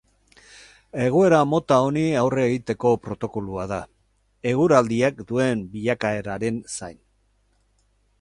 Egoera mota honi aurre egiteko protokoloa da, eguraldiak duen bilakaeraren zain.